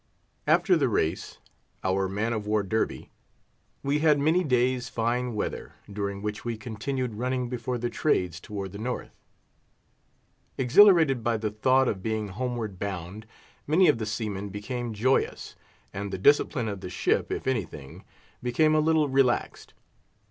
After the race (our man of war Derby) we had many days fine weather, during which we continued running before the Trades toward the north. Exhilarated by the thought of being homeward bound, many of the seamen became joyous, and the discipline of the ship, if anything, became a little relaxed.